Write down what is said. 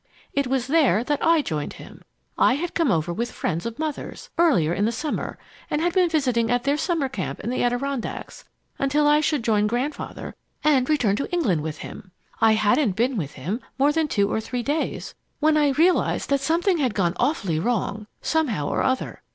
It was there that I joined him. I had come over here with friends of Mother's, earlier in the summer, and had been visiting at their summer camp in the Adirondacks until I should join Grandfather and return to England with him. "I hadn't been with him more than two or three days when I realized that something had gone awfully wrong, somehow or other.